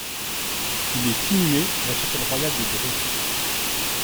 Il est inhumé à la chapelle royale de Dreux.